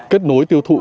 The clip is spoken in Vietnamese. kết nối tiêu thụ